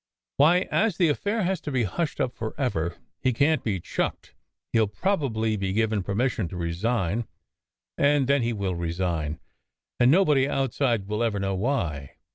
"Why, as the affair has to be hushed up forever he can t be chucked. He ll probably be given permission to resign. And then he will resign. And nobody outside will ever know why.